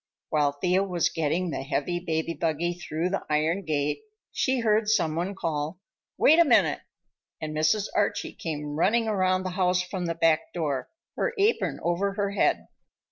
While Thea was getting the heavy baby buggy through the iron gate she heard some one call, "Wait a minute!" and Mrs. Archie came running around the house from the back door, her apron over her head.